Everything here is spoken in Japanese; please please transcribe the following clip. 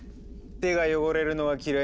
手が汚れるのは嫌いな君が？